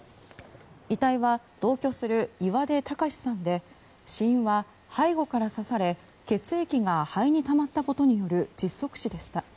遺体は同居する岩出剛史さんで死因は背後から刺され血液が肺にたまったことによる窒息死でした。